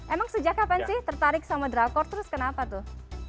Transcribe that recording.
emang sejak kapan sih tertarik sama drakor terus kenapa tuh